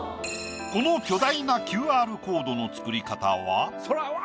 この巨大なＱＲコードの作り方は。